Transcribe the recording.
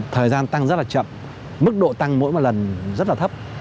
thời gian tăng rất là chậm mức độ tăng mỗi một lần rất là thấp